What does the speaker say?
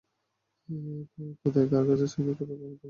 কোথায় কার কাছে গেলে স্বামীর খোঁজ পাব, তা–ও বুঝতে পারছি না।